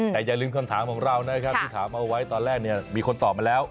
แต่อย่าลืมคำถามของเรานะครับที่ถามเอาไว้ตอนแรกเนี่ยมีคนตอบมาแล้ว